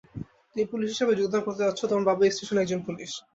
তুমি পুলিশ হিসাবে যোগদান করতে যাচ্ছ, তোমার বাবাও এই স্টেশনে একজন পুলিশ।